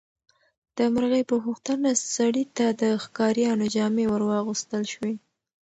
د مرغۍ په غوښتنه سړي ته د ښکاریانو جامې ورواغوستل شوې.